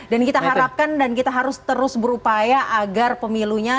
dan kita harapkan dan kita harus terus berupaya agar pemilunya